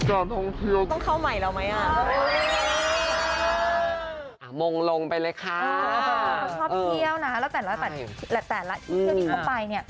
คือแบบทุ่งดอกมงดอกไม้อะไรแบบนี้